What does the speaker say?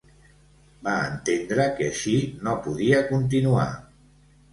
Va entendre que així no podia continuar.